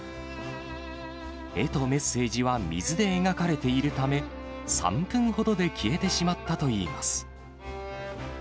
絵とメッセージは水で描かれているため、３分ほどで消えてしまったといいます。